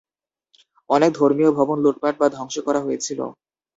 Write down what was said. অনেক ধর্মীয় ভবন লুটপাট বা ধ্বংস করা হয়েছিল।